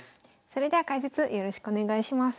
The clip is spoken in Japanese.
それでは解説よろしくお願いします。